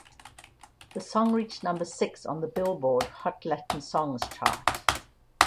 The song reached number six on the "Billboard" Hot Latin Songs chart.